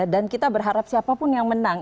dan kita berharap siapapun yang menang